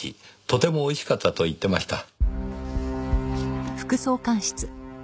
とても美味しかったと言ってました。